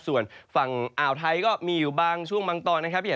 ส่วนฝั่งอ่าวไทยก็มีอยู่บางช่วงบางตอนนะครับ